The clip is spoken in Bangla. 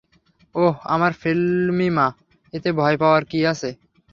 ওহ, আমার ফিল্মি মা, এতে ভয় পাওয়ার কী আছে?